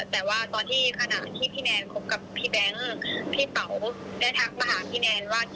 แต่ว่าตอนที่ขณะที่พี่แนนคบกับพี่แบงค์พี่เป๋าได้ทักมาหาพี่แนนว่า